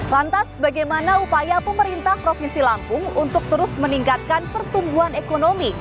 lantas bagaimana upaya pemerintah provinsi lampung untuk terus meningkatkan pertumbuhan ekonomi